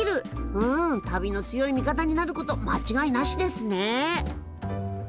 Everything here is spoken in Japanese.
うん旅の強い味方になる事間違いなしですね。